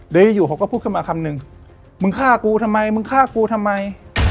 เดี๋ยวอยู่เขาก็พูดขึ้นมาคำนึงมึงฆ่ากูทำไมมึงฆ่ากูทำไม